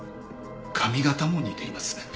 髪形も似ています。